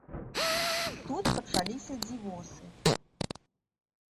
І тут пачаліся дзівосы.